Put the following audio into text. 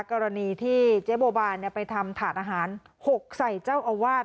กรณีที่เจ๊บัวบานไปทำถาดอาหารหกใส่เจ้าอาวาส